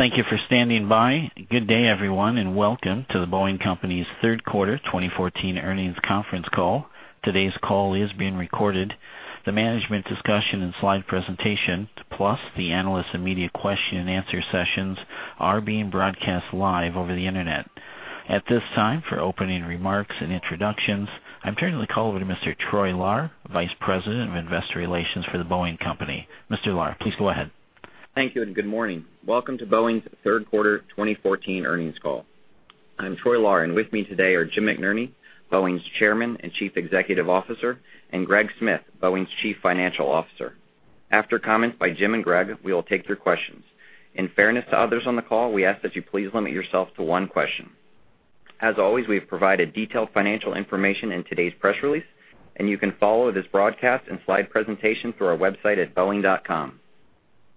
Thank you for standing by. Good day, everyone, and welcome to The Boeing Company's third quarter 2014 earnings conference call. Today's call is being recorded. The management discussion and slide presentation, plus the analyst and media question and answer sessions are being broadcast live over the internet. At this time, for opening remarks and introductions, I'm turning the call over to Mr. Troy Lahr, Vice President of Investor Relations for The Boeing Company. Mr. Lahr, please go ahead. Thank you, and good morning. Welcome to Boeing's third quarter 2014 earnings call. I'm Troy Lahr, and with me today are Jim McNerney, Boeing's Chairman and Chief Executive Officer, and Greg Smith, Boeing's Chief Financial Officer. After comments by Jim and Greg, we will take your questions. In fairness to others on the call, we ask that you please limit yourself to one question. As always, we have provided detailed financial information in today's press release, and you can follow this broadcast and slide presentation through our website at boeing.com.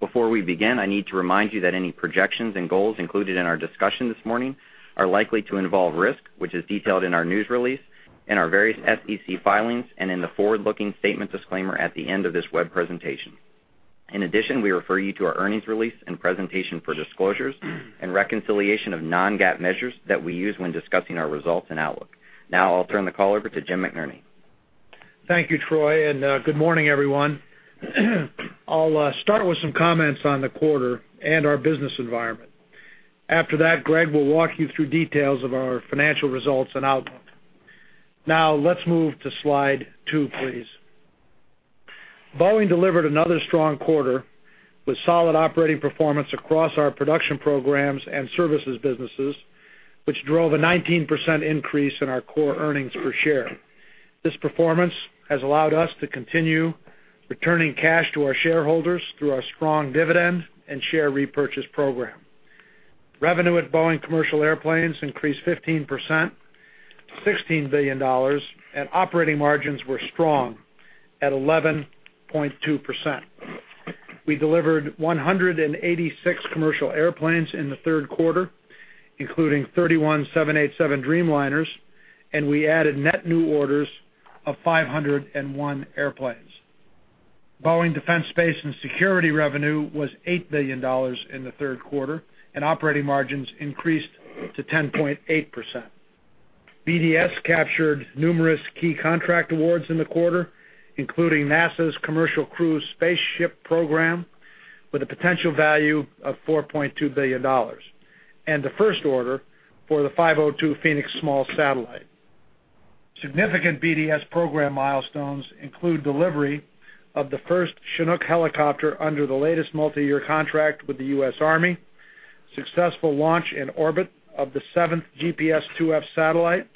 Before we begin, I need to remind you that any projections and goals included in our discussion this morning are likely to involve risk, which is detailed in our news release, in our various SEC filings, and in the forward-looking statement disclaimer at the end of this web presentation. In addition, we refer you to our earnings release and presentation for disclosures and reconciliation of non-GAAP measures that we use when discussing our results and outlook. Now, I'll turn the call over to Jim McNerney. Thank you, Troy, and good morning, everyone. I'll start with some comments on the quarter and our business environment. After that, Greg will walk you through details of our financial results and outlook. Now, let's move to slide two, please. Boeing delivered another strong quarter with solid operating performance across our production programs and services businesses, which drove a 19% increase in our core earnings per share. This performance has allowed us to continue returning cash to our shareholders through our strong dividend and share repurchase program. Revenue at Boeing Commercial Airplanes increased 15%, to $16 billion, and operating margins were strong at 11.2%. We delivered 186 commercial airplanes in the third quarter, including 31 787 Dreamliners, and we added net new orders of 501 airplanes. Boeing Defense, Space & Security revenue was $8 billion in the third quarter, and operating margins increased to 10.8%. BDS captured numerous key contract awards in the quarter, including NASA's Commercial Crew Program, with a potential value of $4.2 billion, and the first order for the 502 Phoenix small satellite. Significant BDS program milestones include delivery of the first Chinook helicopter under the latest multi-year contract with the U.S. Army, successful launch and orbit of the seventh GPS IIF satellite,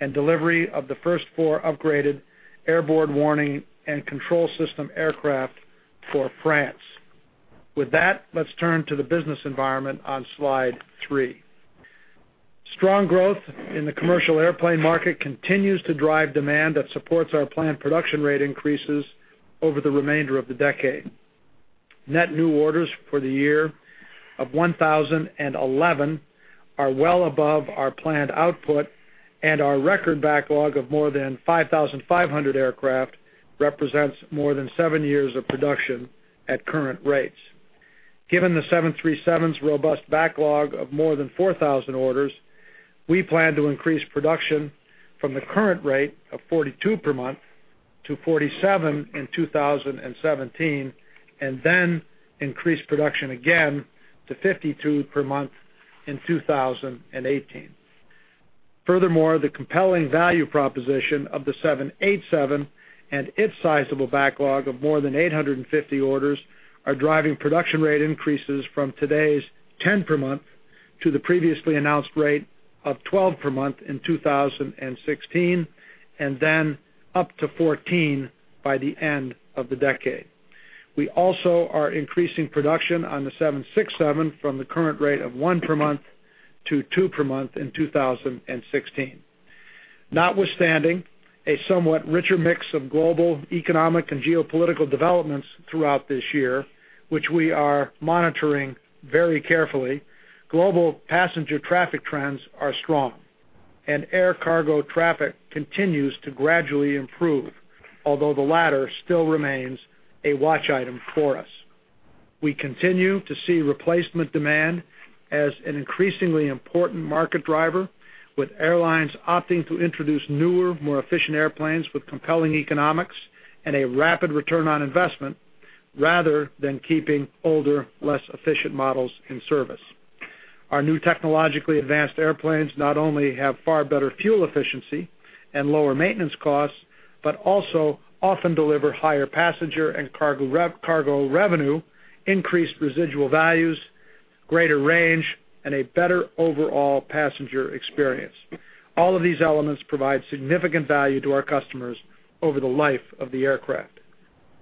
and delivery of the first four upgraded Airborne Warning and Control System aircraft for France. With that, let's turn to the business environment on slide three. Strong growth in the commercial airplane market continues to drive demand that supports our planned production rate increases over the remainder of the decade. Net new orders for the year of 1,011 are well above our planned output, and our record backlog of more than 5,500 aircraft represents more than seven years of production at current rates. Given the 737's robust backlog of more than 4,000 orders, we plan to increase production from the current rate of 42 per month to 47 in 2017, and then increase production again to 52 per month in 2018. Furthermore, the compelling value proposition of the 787 and its sizable backlog of more than 850 orders are driving production rate increases from today's 10 per month to the previously announced rate of 12 per month in 2016, then up to 14 by the end of the decade. We also are increasing production on the 767 from the current rate of one per month to two per month in 2016. Notwithstanding a somewhat richer mix of global economic and geopolitical developments throughout this year, which we are monitoring very carefully, global passenger traffic trends are strong. Air cargo traffic continues to gradually improve, although the latter still remains a watch item for us. We continue to see replacement demand as an increasingly important market driver, with airlines opting to introduce newer, more efficient airplanes with compelling economics and a rapid return on investment, rather than keeping older, less efficient models in service. Our new technologically advanced airplanes not only have far better fuel efficiency and lower maintenance costs. Also often deliver higher passenger and cargo revenue, increased residual values, greater range, and a better overall passenger experience. All of these elements provide significant value to our customers over the life of the aircraft.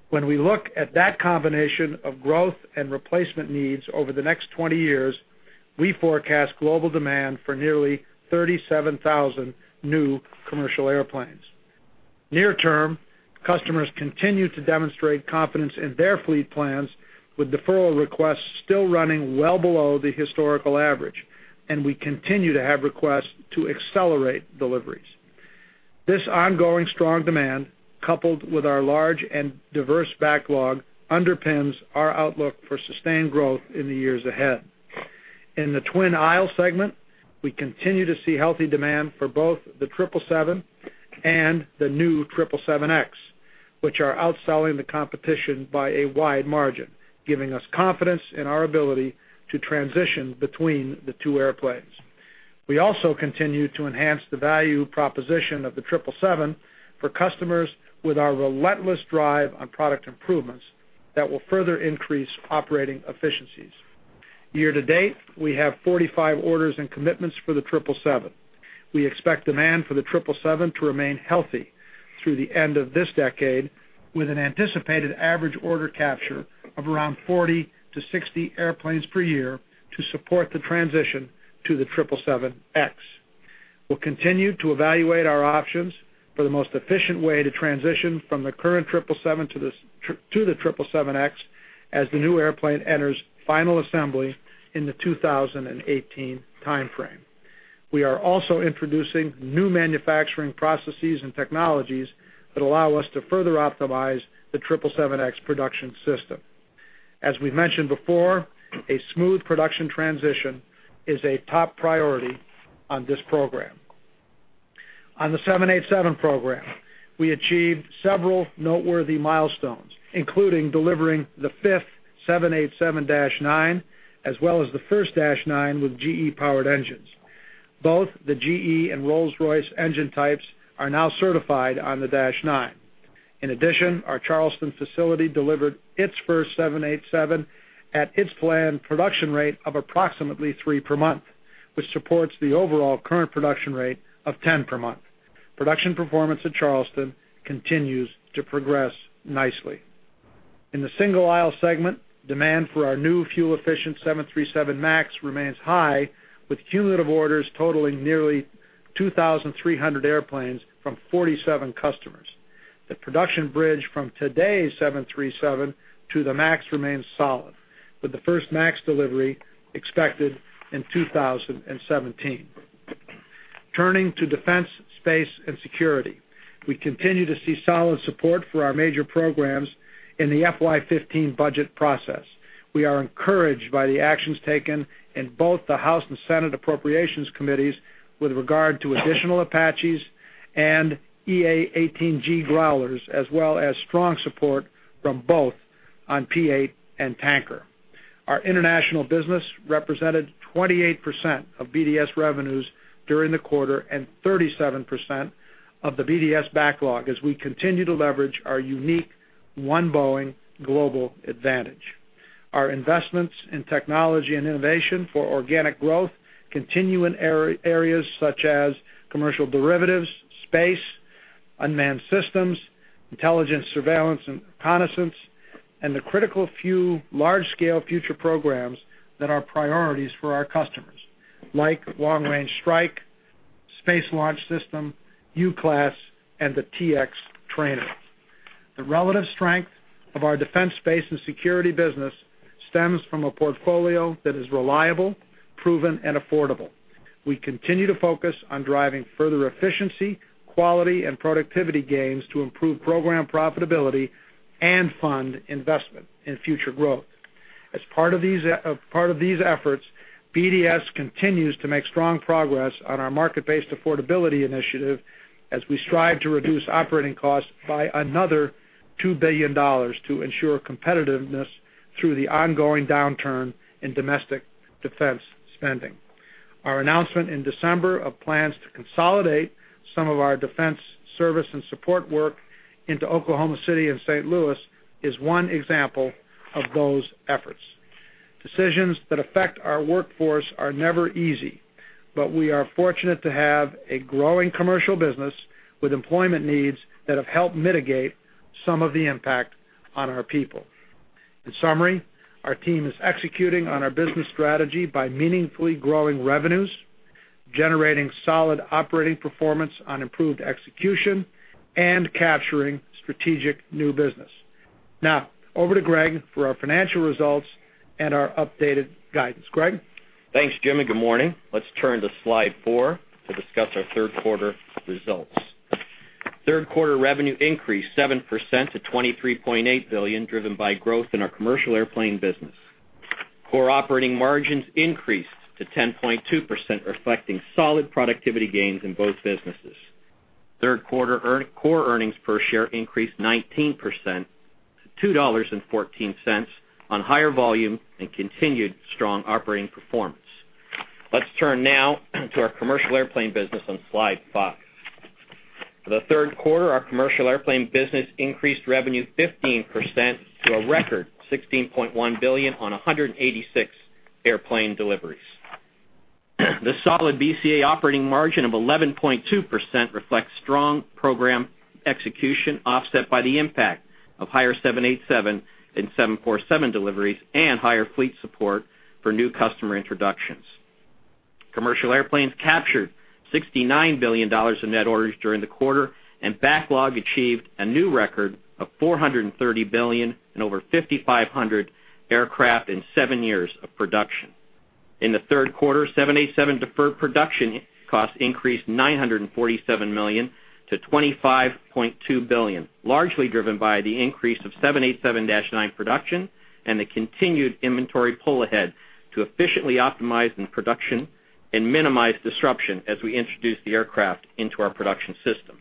When we look at that combination of growth and replacement needs over the next 20 years, we forecast global demand for nearly 37,000 new commercial airplanes. Near term, customers continue to demonstrate confidence in their fleet plans, with deferral requests still running well below the historical average. We continue to have requests to accelerate deliveries. This ongoing strong demand, coupled with our large and diverse backlog, underpins our outlook for sustained growth in the years ahead. In the twin aisle segment, we continue to see healthy demand for both the 777 and the new 777X, which are outselling the competition by a wide margin, giving us confidence in our ability to transition between the two airplanes. We also continue to enhance the value proposition of the 777 for customers with our relentless drive on product improvements that will further increase operating efficiencies. Year to date, we have 45 orders and commitments for the 777. We expect demand for the 777 to remain healthy through the end of this decade, with an anticipated average order capture of around 40 to 60 airplanes per year to support the transition to the 777X. We will continue to evaluate our options for the most efficient way to transition from the current 777 to the 777X as the new airplane enters final assembly in the 2018 timeframe. We are also introducing new manufacturing processes and technologies that allow us to further optimize the 777X production system. As we mentioned before, a smooth production transition is a top priority on this program. On the 787 program, we achieved several noteworthy milestones, including delivering the fifth 787-9, as well as the first Dash 9 with GE-powered engines. Both the GE and Rolls-Royce engine types are now certified on the Dash 9. In addition, our Charleston facility delivered its first 787 at its planned production rate of approximately three per month, which supports the overall current production rate of 10 per month. Production performance at Charleston continues to progress nicely. In the single-aisle segment, demand for our new fuel-efficient 737 MAX remains high, with cumulative orders totaling nearly 2,300 airplanes from 47 customers. The production bridge from today's 737 to the MAX remains solid, with the first MAX delivery expected in 2017. Turning to defense, space, and security. We continue to see solid support for our major programs in the FY 2015 budget process. We are encouraged by the actions taken in both the House and Senate Appropriations Committees with regard to additional Apaches and EA-18G Growlers, as well as strong support from both on P-8 and Tanker. Our international business represented 28% of BDS revenues during the quarter and 37% of the BDS backlog as we continue to leverage our unique One Boeing global advantage. Our investments in technology and innovation for organic growth continue in areas such as commercial derivatives, space, unmanned systems, intelligence, surveillance, and reconnaissance, and the critical few large-scale future programs that are priorities for our customers, like Long Range Strike, Space Launch System, UCLASS, and the T-X trainer. The relative strength of our defense space and security business stems from a portfolio that is reliable, proven, and affordable. We continue to focus on driving further efficiency, quality, and productivity gains to improve program profitability and fund investment in future growth. As part of these efforts, BDS continues to make strong progress on our market-based affordability initiative as we strive to reduce operating costs by another $2 billion to ensure competitiveness through the ongoing downturn in domestic defense spending. Our announcement in December of plans to consolidate some of our defense service and support work into Oklahoma City and St. Louis is one example of those efforts. Decisions that affect our workforce are never easy, but we are fortunate to have a growing commercial business with employment needs that have helped mitigate some of the impact on our people. In summary, our team is executing on our business strategy by meaningfully growing revenues, generating solid operating performance on improved execution, and capturing strategic new business. Now, over to Greg for our financial results and our updated guidance. Greg? Thanks, Jim, good morning. Let's turn to slide four to discuss our third quarter results. Third quarter revenue increased 7% to $23.8 billion, driven by growth in our commercial airplane business. Core operating margins increased to 10.2%, reflecting solid productivity gains in both businesses. Third quarter core earnings per share increased 19% to $2.14 on higher volume and continued strong operating performance. Let's turn now to our commercial airplane business on slide five. For the third quarter, our commercial airplane business increased revenue 15% to a record $16.1 billion on 186 airplane deliveries. The solid BCA operating margin of 11.2% reflects strong program execution, offset by the impact of higher 787 and 747 deliveries and higher fleet support for new customer introductions. Commercial airplanes captured $69 billion in net orders during the quarter, backlog achieved a new record of $430 billion and over 5,500 aircraft in seven years of production. In the third quarter, 787 deferred production costs increased $947 million to $25.2 billion, largely driven by the increase of 787-9 production and the continued inventory pull ahead to efficiently optimize in production and minimize disruption as we introduce the aircraft into our production system.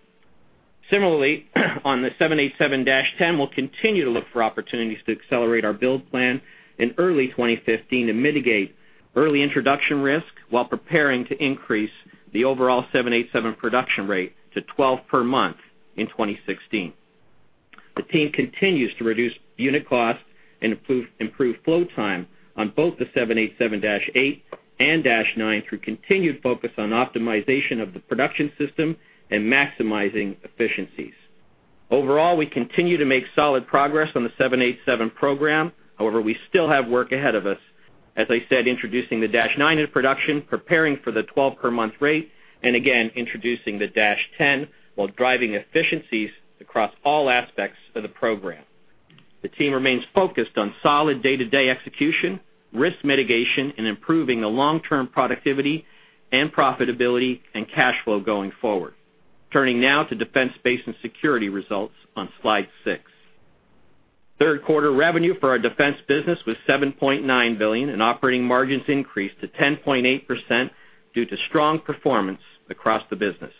Similarly, on the 787-10, we'll continue to look for opportunities to accelerate our build plan in early 2015 and mitigate early introduction risk while preparing to increase the overall 787 production rate to 12 per month in 2016. The team continues to reduce unit cost and improve flow time on both the 787-8 and -9 through continued focus on optimization of the production system and maximizing efficiencies. Overall, we continue to make solid progress on the 787 program. However, we still have work ahead of us, as I said, introducing the -9 in production, preparing for the 12 per month rate, introducing the -10 while driving efficiencies across all aspects of the program. The team remains focused on solid day-to-day execution, risk mitigation, improving the long-term productivity and profitability and cash flow going forward. Turning now to defense, space, and security results on slide six. Third quarter revenue for our defense business was $7.9 billion, operating margins increased to 10.8% due to strong performance across the business.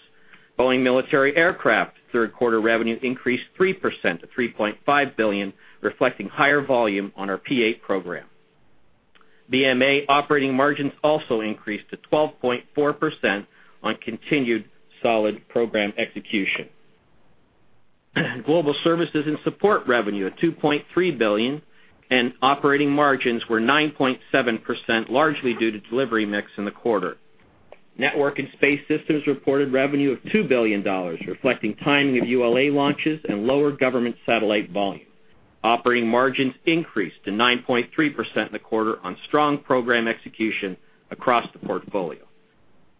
Boeing Military Aircraft third quarter revenue increased 3% to $3.5 billion, reflecting higher volume on our P-8 program. BMA operating margins also increased to 12.4% on continued solid program execution. Global Services & Support revenue of $2.3 billion, operating margins were 9.7%, largely due to delivery mix in the quarter. Network & Space Systems reported revenue of $2 billion, reflecting timing of ULA launches and lower government satellite volumes. Operating margins increased to 9.3% in the quarter on strong program execution across the portfolio.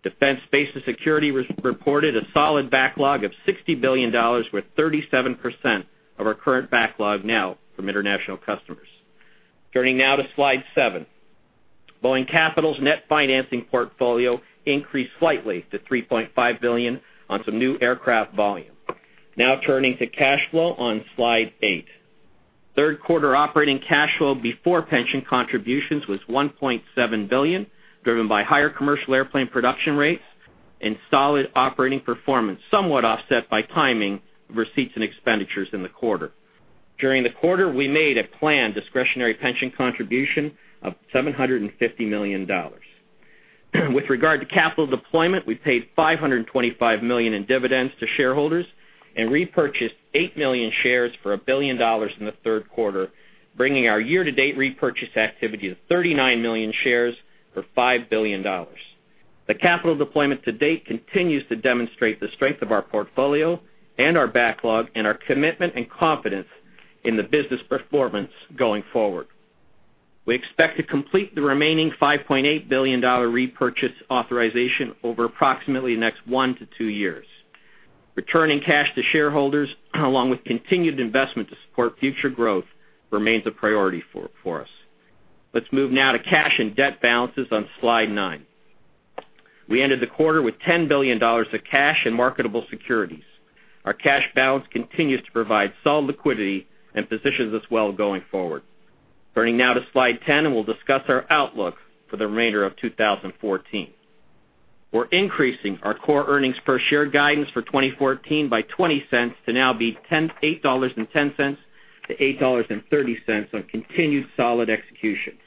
Defense, space, and security reported a solid backlog of $60 billion, with 37% of our current backlog now from international customers. Turning now to slide seven. Boeing Capital's net financing portfolio increased slightly to $3.5 billion on some new aircraft volume. Now turning to cash flow on slide eight. Third quarter operating cash flow before pension contributions was $1.7 billion, driven by higher commercial airplane production rates and solid operating performance, somewhat offset by timing of receipts and expenditures in the quarter. During the quarter, we made a planned discretionary pension contribution of $750 million. With regard to capital deployment, we paid $525 million in dividends to shareholders and repurchased 8 million shares for $1 billion in the third quarter, bringing our year-to-date repurchase activity to 39 million shares for $5 billion. The capital deployment to date continues to demonstrate the strength of our portfolio and our backlog and our commitment and confidence in the business performance going forward. We expect to complete the remaining $5.8 billion repurchase authorization over approximately the next 1 to 2 years. Returning cash to shareholders along with continued investment to support future growth remains a priority for us. Let's move now to cash and debt balances on slide nine. We ended the quarter with $10 billion of cash in marketable securities. Our cash balance continues to provide solid liquidity and positions us well going forward. Turning now to slide 10, we'll discuss our outlook for the remainder of 2014. We're increasing our core earnings per share guidance for 2014 by $0.20 to now be $8.10 to $8.30 on continued solid execution.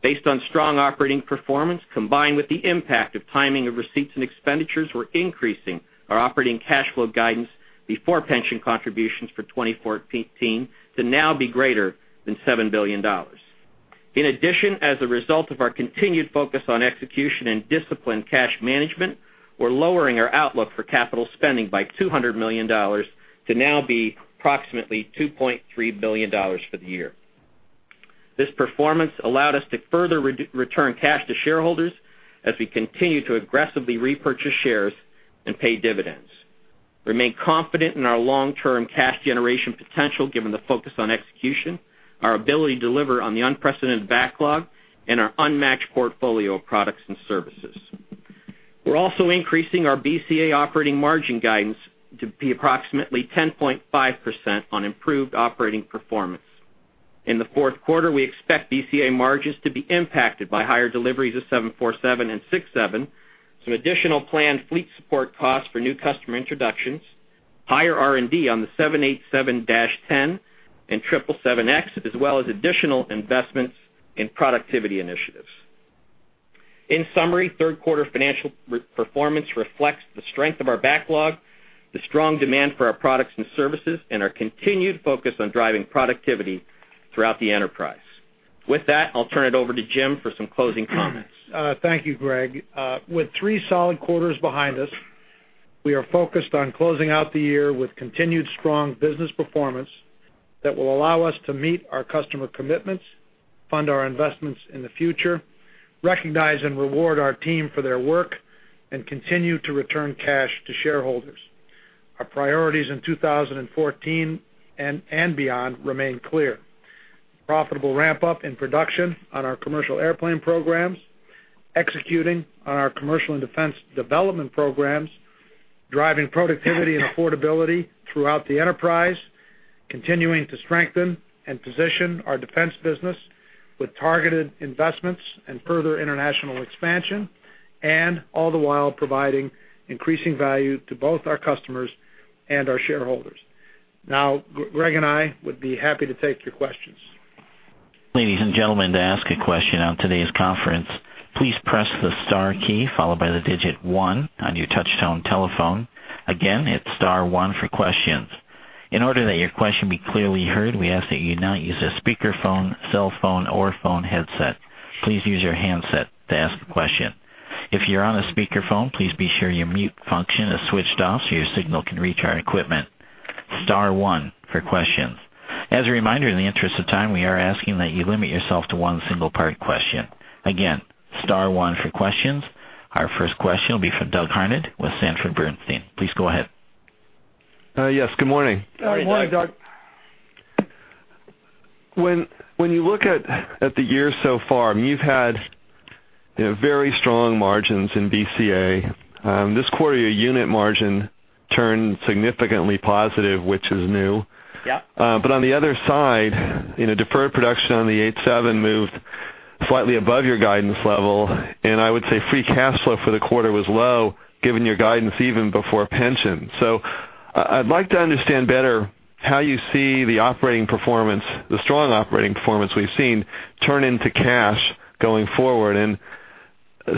Based on strong operating performance, combined with the impact of timing of receipts and expenditures, we're increasing our operating cash flow guidance before pension contributions for 2014 to now be greater than $7 billion. In addition, as a result of our continued focus on execution and disciplined cash management, we're lowering our outlook for capital spending by $200 million to now be approximately $2.3 billion for the year. This performance allowed us to further return cash to shareholders as we continue to aggressively repurchase shares and pay dividends. We remain confident in our long-term cash generation potential given the focus on execution, our ability to deliver on the unprecedented backlog, and our unmatched portfolio of products and services. We're also increasing our BCA operating margin guidance to be approximately 10.5% on improved operating performance. In the fourth quarter, we expect BCA margins to be impacted by higher deliveries of 747 and 767, some additional planned fleet support costs for new customer introductions, higher R&D on the 787-10 and 777X, as well as additional investments in productivity initiatives. In summary, third quarter financial performance reflects the strength of our backlog, the strong demand for our products and services, and our continued focus on driving productivity throughout the enterprise. With that, I'll turn it over to Jim for some closing comments. Thank you, Greg. With three solid quarters behind us, we are focused on closing out the year with continued strong business performance that will allow us to meet our customer commitments, fund our investments in the future, recognize and reward our team for their work, and continue to return cash to shareholders. Our priorities in 2014 and beyond remain clear. Profitable ramp-up in production on our commercial airplane programs, executing on our commercial and defense development programs, driving productivity and affordability throughout the enterprise, continuing to strengthen and position our defense business with targeted investments and further international expansion, and all the while, providing increasing value to both our customers and our shareholders. Greg and I would be happy to take your questions. Ladies and gentlemen, to ask a question on today's conference, please press the star key followed by the digit 1 on your touchtone telephone. Again, hit star 1 for questions. In order that your question be clearly heard, we ask that you not use a speakerphone, cell phone or phone headset. Please use your handset to ask the question. If you're on a speakerphone, please be sure your mute function is switched off so your signal can reach our equipment. Star 1 for questions. As a reminder, in the interest of time, we are asking that you limit yourself to one single part question. Again, star 1 for questions. Our first question will be from Doug Harned with Sanford Bernstein. Please go ahead. Yes, good morning. Good morning, Doug. When you look at the year so far, you've had very strong margins in BCA. This quarter, your unit margin turned significantly positive, which is new. Yep. On the other side, deferred production on the 787 moved slightly above your guidance level, and I would say free cash flow for the quarter was low, given your guidance even before pension. I'd like to understand better how you see the strong operating performance we've seen turn into cash going forward.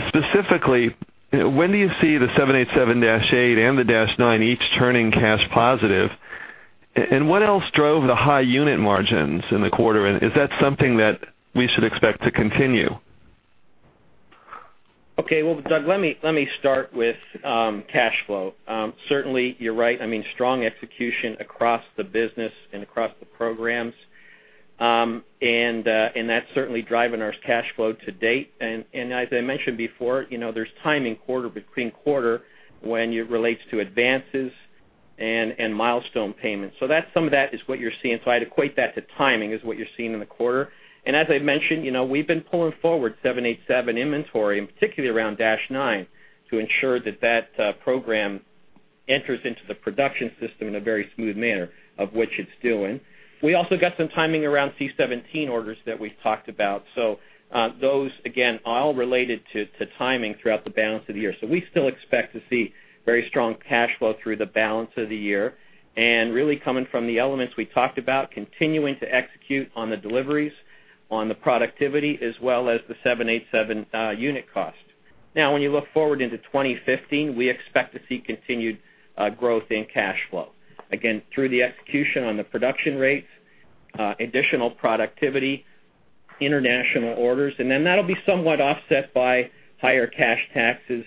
Specifically, when do you see the 787-8 and the 787-9 each turning cash positive, and what else drove the high unit margins in the quarter? Is that something that we should expect to continue? Okay. Well, Doug, let me start with cash flow. Certainly, you're right. I mean, strong execution across the business and across the programs, and that's certainly driving our cash flow to date. As I mentioned before, there's timing between quarter, when it relates to advances and milestone payments. Some of that is what you're seeing. I'd equate that to timing, is what you're seeing in the quarter. As I mentioned, we've been pulling forward 787 inventory, and particularly around 787-9, to ensure that program enters into the production system in a very smooth manner, of which it's doing. We also got some timing around C-17 orders that we've talked about. Those, again, are all related to timing throughout the balance of the year. We still expect to see very strong cash flow through the balance of the year, and really coming from the elements we talked about, continuing to execute on the deliveries, on the productivity, as well as the 787 unit cost. When you look forward into 2015, we expect to see continued growth in cash flow. Through the execution on the production rates, additional productivity, international orders, and then that'll be somewhat offset by higher cash taxes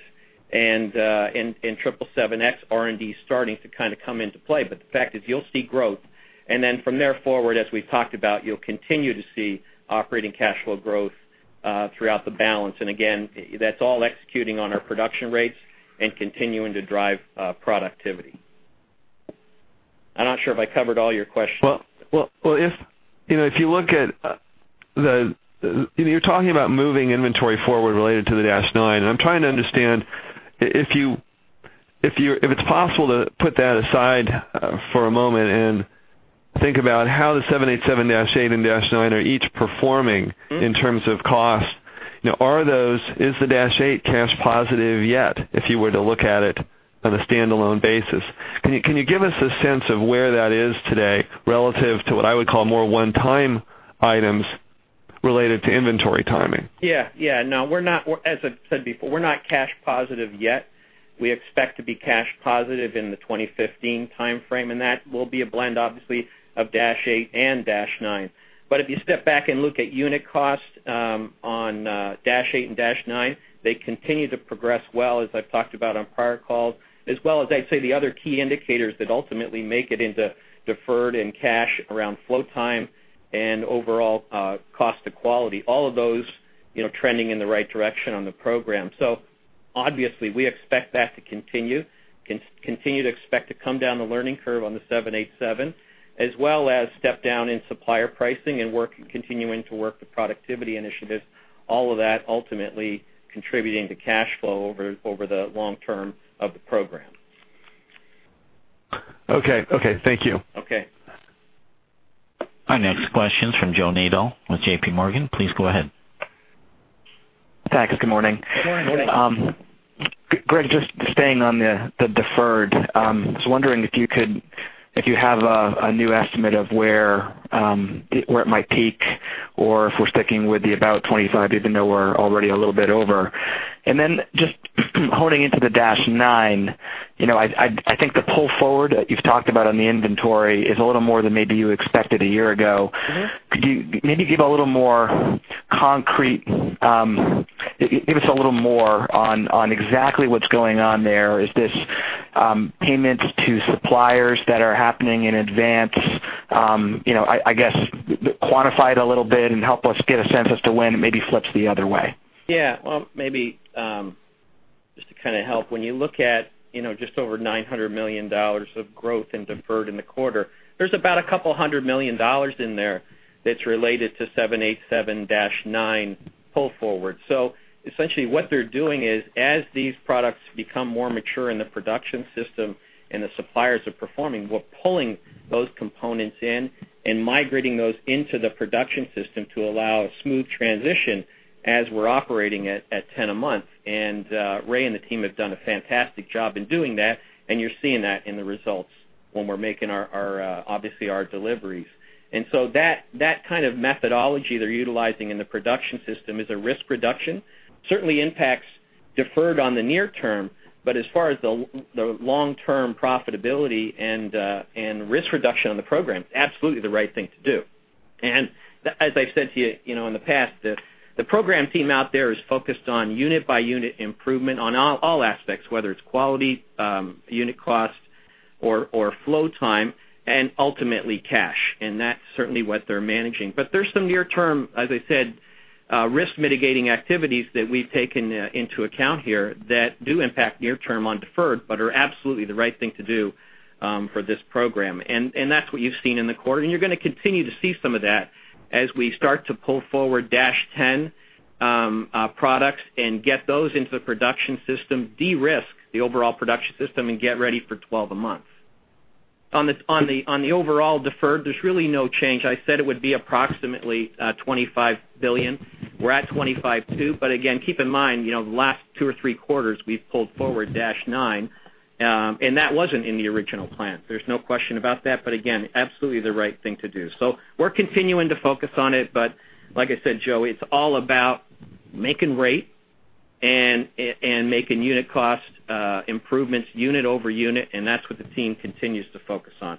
and 777X R&D starting to kind of come into play. The fact is, you'll see growth, and then from there forward, as we've talked about, you'll continue to see operating cash flow growth, throughout the balance. Again, that's all executing on our production rates and continuing to drive productivity. I'm not sure if I covered all your questions. If you're talking about moving inventory forward related to the Dash 9, and I'm trying to understand, if it's possible to put that aside for a moment and think about how the 787-8 and Dash 9 are each performing in terms of cost. Is the Dash 8 cash positive yet, if you were to look at it on a standalone basis? Can you give us a sense of where that is today relative to what I would call more one-time items related to inventory timing? Yeah. No, as I've said before, we're not cash positive yet. We expect to be cash positive in the 2015 timeframe, and that will be a blend, obviously, of Dash 8 and Dash 9. If you step back and look at unit cost, on Dash 8 and Dash 9, they continue to progress well, as I've talked about on prior calls, as well as, I'd say, the other key indicators that ultimately make it into deferred and cash around flow time and overall cost to quality, all of those trending in the right direction on the program. Obviously, we expect that to continue to expect to come down the learning curve on the 787, as well as step down in supplier pricing and continuing to work with productivity initiatives, all of that ultimately contributing to cash flow over the long term of the program. Okay. Thank you. Okay. Our next question's from Joseph Nadol with JPMorgan. Please go ahead. Thanks. Good morning. Good morning. Greg, just staying on the deferred, I was wondering if you have a new estimate of where it might peak or if we're sticking with the about $25, even though we're already a little bit over. Just honing into the Dash 9, I think the pull forward that you've talked about on the inventory is a little more than maybe you expected a year ago. Could you maybe give us a little more on exactly what's going on there? Is this payments to suppliers that are happening in advance? I guess, quantify it a little bit and help us get a sense as to when it maybe flips the other way. Well, just to kind of help, when you look at just over $900 million of growth in deferred in the quarter, there's about $200 million in there that's related to 787-9 pull forward. Essentially, what they're doing is, as these products become more mature in the production system and the suppliers are performing, we're pulling those components in and migrating those into the production system to allow a smooth transition as we're operating at 10 a month. Ray and the team have done a fantastic job in doing that, and you're seeing that in the results when we're making, obviously, our deliveries. That kind of methodology they're utilizing in the production system is a risk reduction. Certainly impacts deferred on the near term, as far as the long-term profitability and risk reduction on the program, it's absolutely the right thing to do. As I've said to you in the past, the program team out there is focused on unit-by-unit improvement on all aspects, whether it's quality, unit cost or flow time, and ultimately, cash. That's certainly what they're managing. There's some near term, as I said, risk mitigating activities that we've taken into account here that do impact near term on deferred, but are absolutely the right thing to do for this program. That's what you've seen in the quarter, and you're going to continue to see some of that as we start to pull forward Dash 10 products and get those into the production system, de-risk the overall production system, and get ready for 12 a month. On the overall deferred, there's really no change. I said it would be approximately $25 billion. We're at $25.2 billion. Again, keep in mind, the last two or three quarters, we've pulled forward Dash 9, and that wasn't in the original plan. There's no question about that. Again, absolutely the right thing to do. We're continuing to focus on it. Like I said, Joe, it's all about making rate and making unit cost improvements unit over unit, and that's what the team continues to focus on.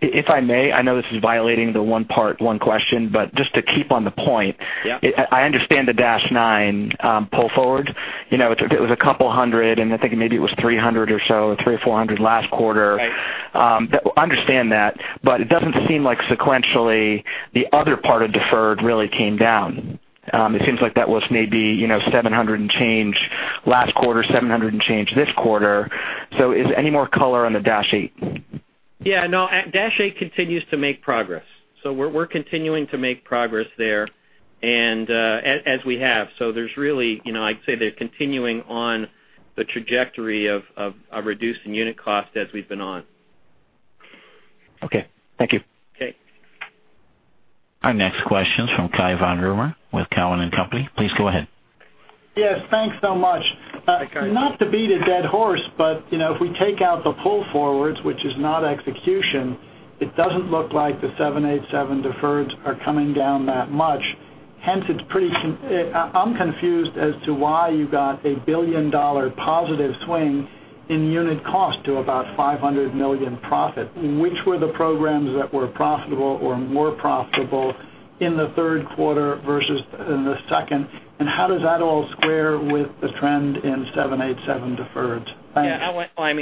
If I may, I know this is violating the one part, one question, just to keep on the point. Yeah. I understand the 787-9 pull forward. It was a couple of hundred, and I think maybe it was 300 or so, 300 or 400 last quarter. Right. I understand that, it doesn't seem like sequentially the other part of deferred really came down. It seems like that was maybe 700 and change last quarter, 700 and change this quarter. Is any more color on the 787-8? 787-8 continues to make progress. We're continuing to make progress there, as we have. There's really, I'd say they're continuing on the trajectory of reducing unit cost as we've been on. Thank you. Okay. Our next question is from Cai von Rumohr with Cowen and Company. Please go ahead. Yes, thanks so much. Hi, Cai. Not to beat a dead horse, but if we take out the pull forwards, which is not execution, it doesn't look like the 787 deferreds are coming down that much. Hence, I'm confused as to why you got a billion-dollar positive swing in unit cost to about $500 million profit. Which were the programs that were profitable or more profitable in the third quarter versus in the second? How does that all square with the trend in 787 deferreds? Thank you.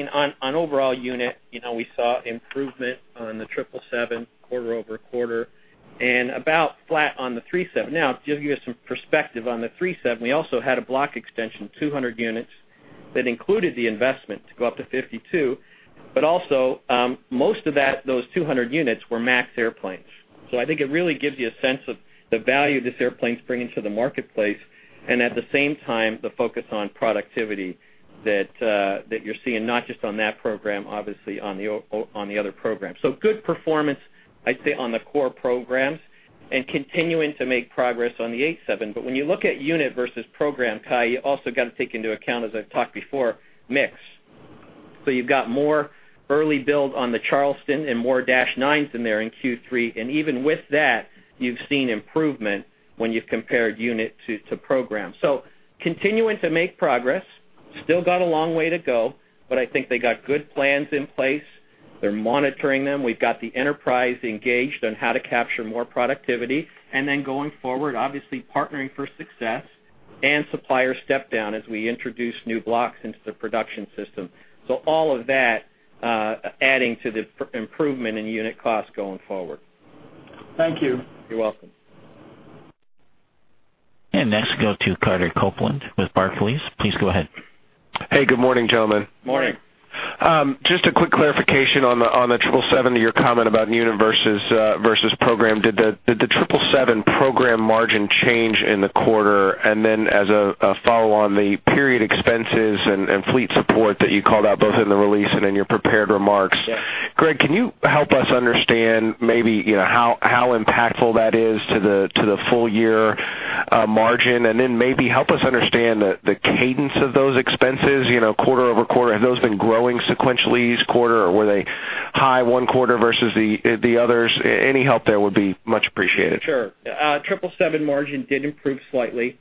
Yeah, on overall unit, we saw improvement on the 777 quarter-over-quarter, and about flat on the 737. To give you some perspective on the 737, we also had a block extension, 200 units that included the investment to go up to 52. Also, most of those 200 units were MAX airplanes. I think it really gives you a sense of the value these airplanes bring into the marketplace, and at the same time, the focus on productivity that you're seeing, not just on that program, obviously, on the other programs. Good performance, I'd say, on the core programs, and continuing to make progress on the 787. When you look at unit versus program, Cai, you also got to take into account, as I've talked before, mix. You've got more early build on the Charleston and more Dash 9s in there in Q3. Even with that, you've seen improvement when you've compared unit to program. Continuing to make progress. Still got a long way to go, but I think they got good plans in place. They're monitoring them. We've got the enterprise engaged on how to capture more productivity. Going forward, obviously Partnering for Success and supplier step down as we introduce new blocks into the production system. All of that adding to the improvement in unit cost going forward. Thank you. You're welcome. next, go to Carter Copeland with Barclays. Please go ahead. Hey, good morning, gentlemen. Morning. Just a quick clarification on the 777 to your comment about unit versus program. Did the 777 program margin change in the quarter? Then as a follow on the period expenses and fleet support that you called out both in the release and in your prepared remarks. Yeah. Greg, can you help us understand maybe how impactful that is to the full year margin, then maybe help us understand the cadence of those expenses quarter-over-quarter? Have those been growing sequentially each quarter, or were they high one quarter versus the others? Any help there would be much appreciated. Sure. 777 margin did improve slightly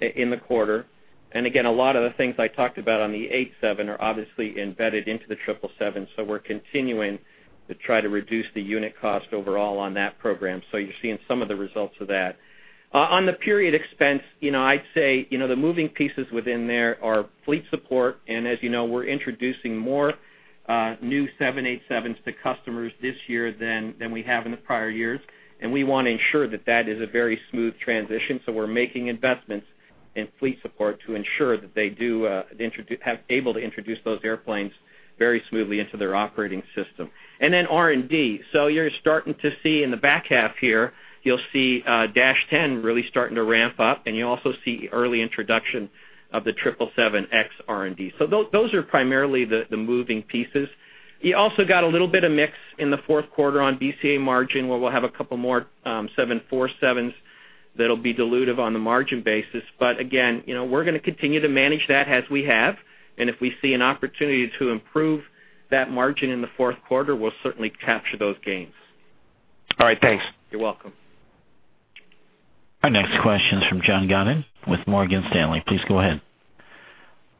in the quarter. Again, a lot of the things I talked about on the 787 are obviously embedded into the 777, so we're continuing to try to reduce the unit cost overall on that program. You're seeing some of the results of that. On the period expense, I'd say, the moving pieces within there are fleet support, and as you know, we're introducing more new 787s to customers this year than we have in the prior years, and we want to ensure that that is a very smooth transition. We're making investments in fleet support to ensure that they are able to introduce those airplanes very smoothly into their operating system. Then R&D. You're starting to see in the back half here, you'll see 787-10 really starting to ramp up, and you also see early introduction of the 777X R&D. Those are primarily the moving pieces. You also got a little bit of mix in the fourth quarter on BCA margin, where we'll have a couple more 747s that'll be dilutive on the margin basis. Again, we're going to continue to manage that as we have, and if we see an opportunity to improve that margin in the fourth quarter, we'll certainly capture those gains. All right. Thanks. You're welcome. Our next question is from Jason Gursky with Morgan Stanley. Please go ahead.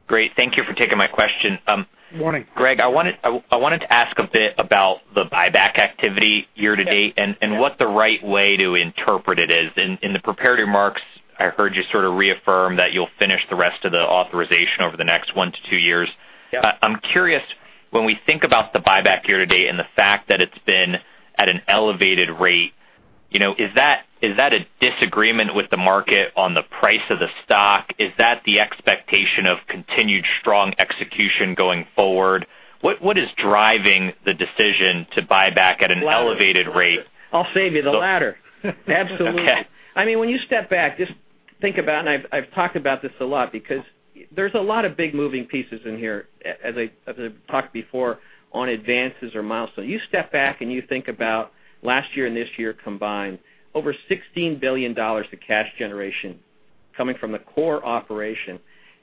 Great. Thank you for taking my question. Good morning. Greg, I wanted to ask a bit about the buyback activity year to date, what the right way to interpret it is. In the prepared remarks, I heard you reaffirm that you'll finish the rest of the authorization over the next one to two years. Yep. I'm curious, when we think about the buyback year-to-date and the fact that it's been at an elevated rate, is that a disagreement with the market on the price of the stock? Is that the expectation of continued strong execution going forward? What is driving the decision to buy back at an elevated rate? I'll save you the latter. Absolutely. Okay. When you step back, just think about, I've talked about this a lot because there's a lot of big moving pieces in here, as I've talked before on advances or milestones. You step back and you think about last year and this year combined, over $16 billion of cash generation coming from the core operation.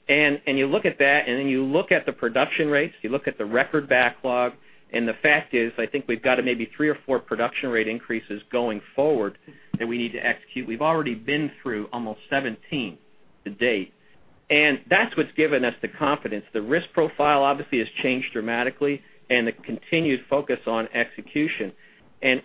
You look at that, then you look at the production rates, you look at the record backlog, the fact is, I think we've got a maybe three or four production rate increases going forward that we need to execute. We've already been through almost 17 to date, that's what's given us the confidence. The risk profile obviously has changed dramatically and the continued focus on execution.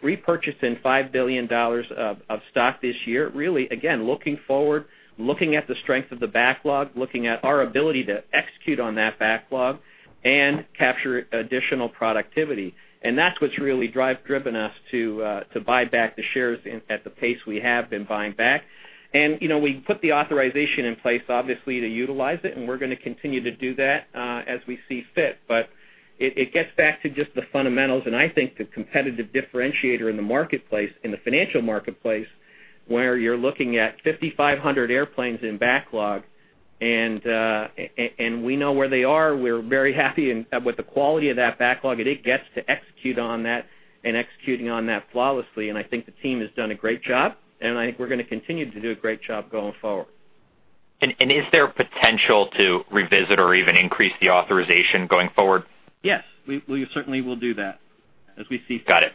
Repurchasing $5 billion of stock this year, really, again, looking forward, looking at the strength of the backlog, looking at our ability to execute on that backlog and capture additional productivity. That's what's really driven us to buy back the shares at the pace we have been buying back. We put the authorization in place, obviously, to utilize it, we're going to continue to do that, as we see fit. It gets back to just the fundamentals, I think the competitive differentiator in the marketplace, in the financial marketplace, where you're looking at 5,500 airplanes in backlog, we know where they are. We're very happy with the quality of that backlog, it gets to execute on that and executing on that flawlessly. I think the team has done a great job, and I think we're going to continue to do a great job going forward. Is there potential to revisit or even increase the authorization going forward? Yes. We certainly will do that as we see. Got it.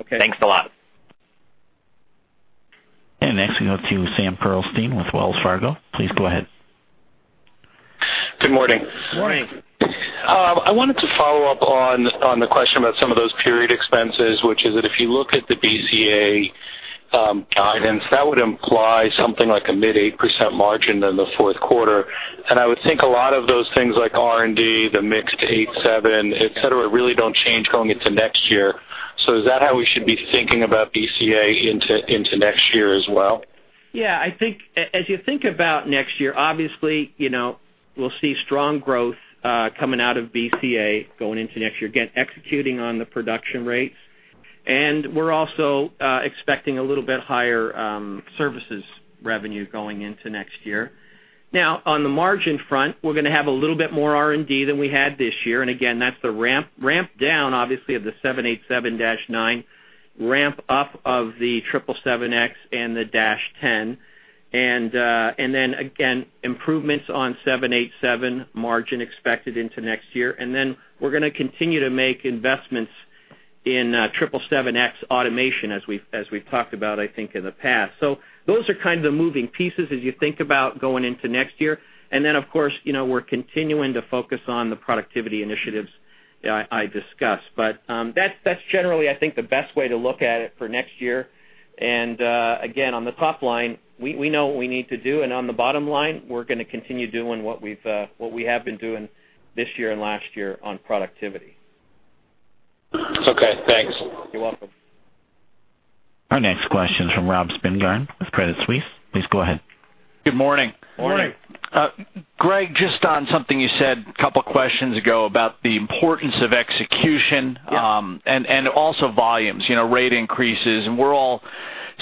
Okay. Thanks a lot. Next we go to Sam Pearlstein with Wells Fargo. Please go ahead. Good morning. Good morning. I wanted to follow up on the question about some of those period expenses, which is that if you look at the BCA guidance, that would imply something like a mid 8% margin in the fourth quarter. I would think a lot of those things like R&D, the mix 787, et cetera, really don't change going into next year. Is that how we should be thinking about BCA into next year as well? Yeah, as you think about next year, obviously, we'll see strong growth coming out of BCA going into next year, again, executing on the production rates. We're also expecting a little bit higher services revenue going into next year. Now, on the margin front, we're going to have a little bit more R&D than we had this year, again, that's the ramp down, obviously, of the 787-9, ramp up of the 777X and the Dash 10. Then again, improvements on 787 margin expected into next year. Then we're going to continue to make investments in 777X automation as we've talked about, I think, in the past. Those are kind of the moving pieces as you think about going into next year. Then, of course, we're continuing to focus on the productivity initiatives I discussed. That's generally, I think, the best way to look at it for next year. Again, on the top line, we know what we need to do, and on the bottom line, we're going to continue doing what we have been doing this year and last year on productivity. Okay, thanks. You're welcome. Our next question is from Robert Spingarn with Credit Suisse. Please go ahead. Good morning. Morning. Greg, just on something you said a couple of questions ago about the importance of execution. Also volumes, rate increases. We're all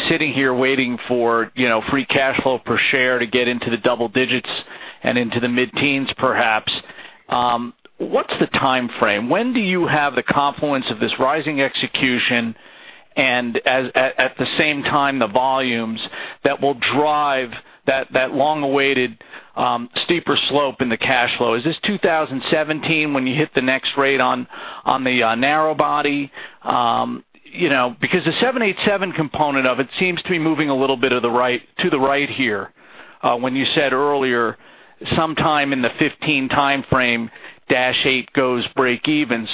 sitting here waiting for free cash flow per share to get into the double digits and into the mid-teens, perhaps. What's the timeframe? When do you have the confluence of this rising execution and at the same time, the volumes that will drive that long-awaited, steeper slope in the cash flow? Is this 2017 when you hit the next rate on the narrow-body? Because the 787 component of it seems to be moving a little bit to the right here. When you said earlier, sometime in the 2015 timeframe, 787-8 goes break-even.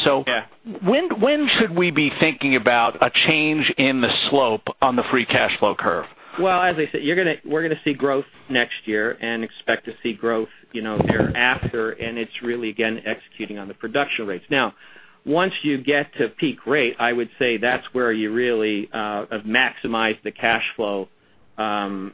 When should we be thinking about a change in the slope on the free cash flow curve? Well, as I said, we're going to see growth next year and expect to see growth thereafter, it's really, again, executing on the production rates. Now, once you get to peak rate, I would say that's where you really have maximized the cash flow of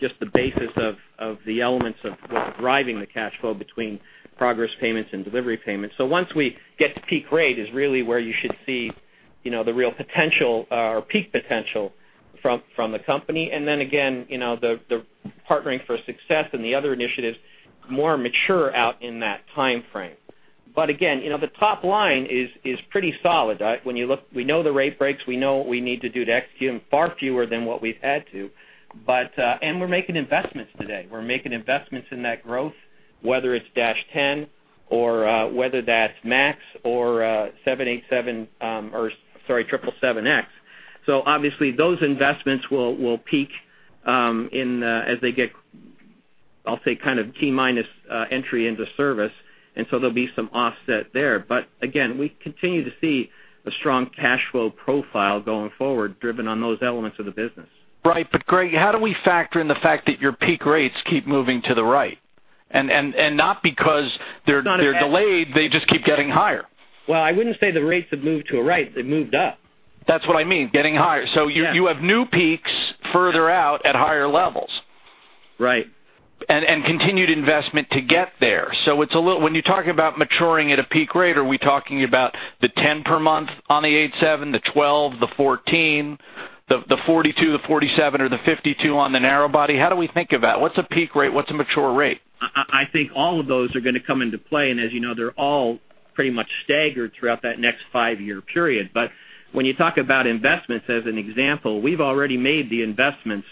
just the basis of the elements of what's driving the cash flow between progress payments and delivery payments. Once we get to peak rate is really where you should see the real potential, or peak potential from the company. Again, the Partnering for Success and the other initiatives more mature out in that timeframe. Again, the top line is pretty solid. We know the rate breaks, we know what we need to do to execute them, far fewer than what we've had to. We're making investments today. We're making investments in that growth, whether it's Dash 10 or whether that's MAX or 777X. Obviously those investments will peak as they get, I'll say, T-minus entry into service, there'll be some offset there. Again, we continue to see a strong cash flow profile going forward driven on those elements of the business. Right. Greg, how do we factor in the fact that your peak rates keep moving to the right? Not because they're delayed, they just keep getting higher. Well, I wouldn't say the rates have moved to a right, they've moved up. That's what I mean, getting higher. You have new peaks further out at higher levels and continued investment to get there. When you're talking about maturing at a peak rate, are we talking about the 10 per month on the 787, the 12, the 14, the 42, the 47, or the 52 on the narrow-body? How do we think of that? What's a peak rate, what's a mature rate? I think all of those are going to come into play, and as you know, they're all pretty much staggered throughout that next five-year period. When you talk about investments as an example, we've already made the investments,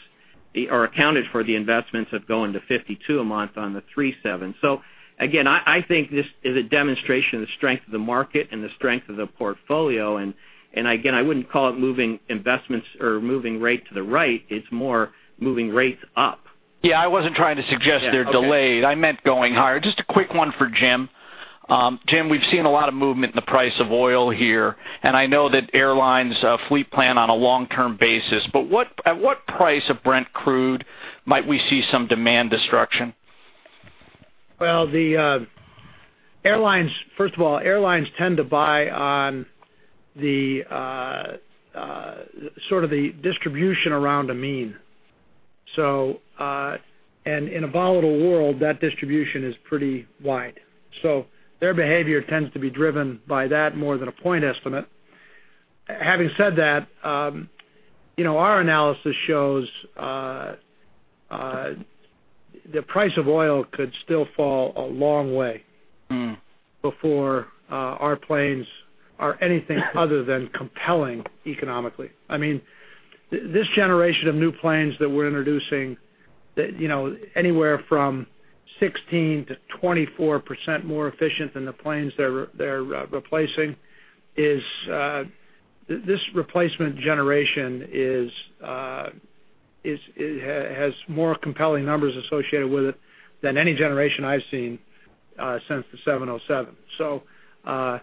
or accounted for the investments, of going to 52 a month on the 737. Again, I think this is a demonstration of the strength of the market and the strength of the portfolio, and again, I wouldn't call it moving investments or moving rate to the right, it's more moving rates up. Yeah, I wasn't trying to suggest they're delayed. I meant going higher. Just a quick one for Jim. Jim, we've seen a lot of movement in the price of oil here, and I know that airlines fleet plan on a long-term basis, but at what price of Brent Crude might we see some demand destruction? Well, first of all, airlines tend to buy on the distribution around a mean. In a volatile world, that distribution is pretty wide. Their behavior tends to be driven by that more than a point estimate. Having said that, our analysis shows the price of oil could still fall a long way before our planes are anything other than compelling economically. I mean, this generation of new planes that we're introducing, anywhere from 16%-24% more efficient than the planes they're replacing, this replacement generation has more compelling numbers associated with it than any generation I've seen since the 707. Our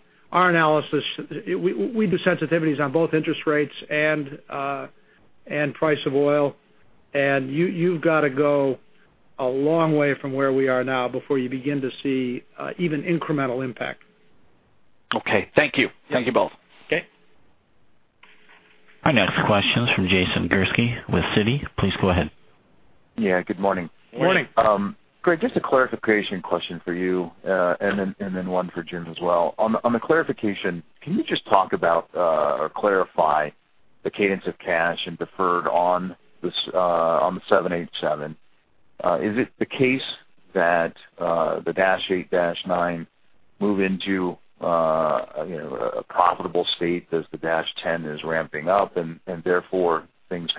analysis, we do sensitivities on both interest rates and price of oil, and you've got to go a long way from where we are now before you begin to see even incremental impact. Okay, thank you. Thank you both. Okay. Our next question is from Jason Gursky with Morgan Stanley. Please go ahead. Yeah, good morning. Morning. Greg, just a clarification question for you. Then one for Jim as well. On the clarification, can you just talk about, or clarify, the cadence of cash and deferred on the 787? Is it the case that the Dash 8, Dash 9 move into a profitable state as the Dash 10 is ramping up? Therefore things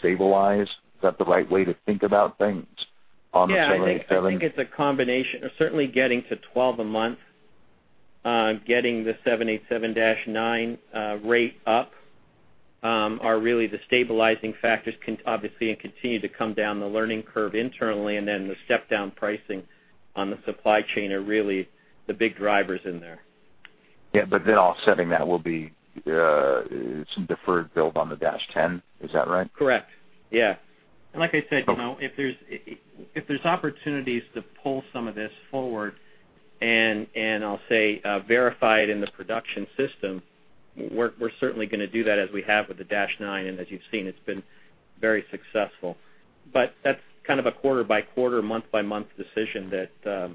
stabilize? Is that the right way to think about things on the 787? I think it's a combination of certainly getting to 12 a month, getting the 787-9 rate up are really the stabilizing factors, obviously, and continue to come down the learning curve internally and then the step down pricing on the supply chain are really the big drivers in there. Offsetting that will be some deferred build on the 787-10. Is that right? Correct. Like I said, if there's opportunities to pull some of this forward, and I'll say verified in the production system, we're certainly going to do that as we have with the 787-9, and as you've seen, it's been very successful. That's a quarter-by-quarter, month-by-month decision that